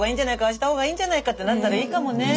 あした方がいいんじゃないかってなったらいいかもね。